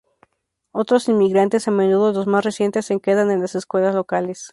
Otros inmigrantes, a menudo los más recientes, se quedan en las escuelas locales.